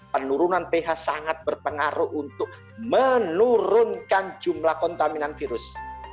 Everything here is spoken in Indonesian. penurunan ph sangat berpengaruh untuk menurunkan jumlah kontaminan virus